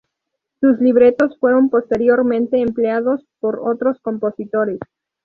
Sus libretos fueron posteriormente empleados por otros compositores.